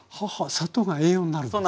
砂糖が栄養になるんですか？